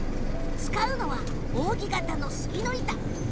使うのは扇形の杉の板。